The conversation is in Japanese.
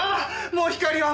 もう光は！